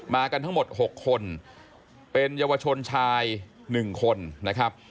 กันทั้งหมด๖คนเป็นเยาวชนชาย๑คนนะครับ